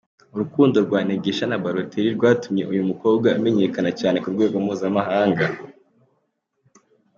Urukundo rwa Neguesha na Balotelli rwatumye uyu mukobwa amenyekana cyane ku rwego mpuzamahanga.